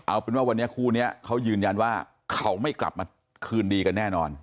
เอาเป็นว่าวันนี้คู่นี้เขายืนยันว่าเขาไม่กลับมาคืนดีกันแน่นอน